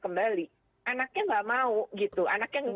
kembali anaknya nggak mau gitu anak yang